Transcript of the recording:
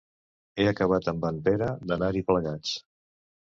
He acabat amb en Pere d'anar-hi plegats.